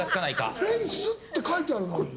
フェイスって書いてあるのに。